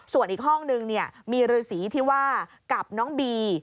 ส่วนอีกห้องนึงมีฤษีที่ว่ากับน้องบี